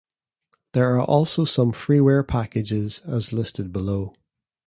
There are also some freeware packages, as listed below.